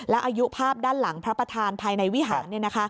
และอายุภาพด้านหลังพระประธานภายในวิหาร